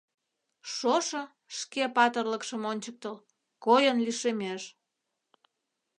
Шошо, шке патырлыкшым ончыктыл, койын лишемеш.